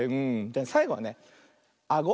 さいごはねあご。